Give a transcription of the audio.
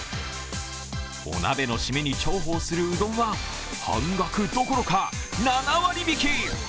お鍋の締めに重宝するうどんは半額どころか７割引。